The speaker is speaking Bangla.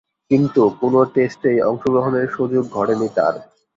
কিন্তু কোন টেস্টেই অংশগ্রহণের সুযোগ ঘটেনি তার।